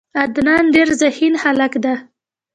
عدنان ډیر ذهین هلک ده.